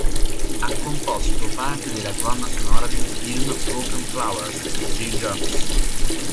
Ha composto parte della colonna sonora del film "Broken Flowers" di Jim Jarmusch.